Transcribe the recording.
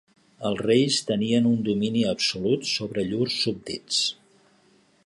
Els reis tenien un domini absolut sobre llurs súbdits.